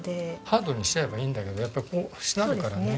ハードにしちゃえばいいんだけどやっぱりこうしなるからね。